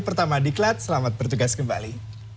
pertama di klat selamat bertugas kembali